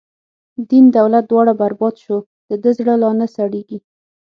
دین دولت دواړه برباد شو، د ده زړه لانه سړیږی